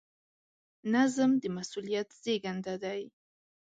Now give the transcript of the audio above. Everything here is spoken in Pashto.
نظم د مسؤلیت زېږنده دی.